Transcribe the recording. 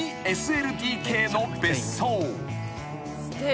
２ＳＬＤＫの別荘］